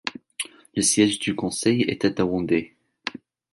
Le siège du conseil était à Wondai.